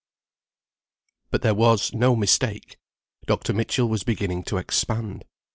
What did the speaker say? But there was no mistake, Dr. Mitchell was beginning to expand.